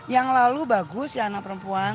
yang lalu bagus ya anak perempuan